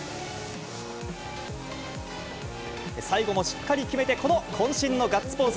最後もしっかり決めて、このこん身のガッツポーズ。